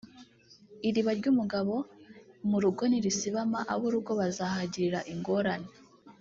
Iriba ry’umugabo mu rugo nirisibama ab’urugo bazahagirira ingorane